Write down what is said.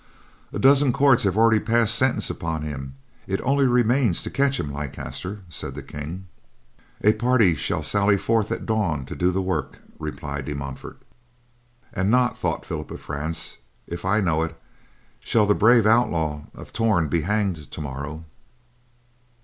"A dozen courts have already passed sentence upon him, it only remains to catch him, Leicester," said the King. "A party shall sally forth at dawn to do the work," replied De Montfort. "And not," thought Philip of France, "if I know it, shall the brave Outlaw of Torn be hanged tomorrow."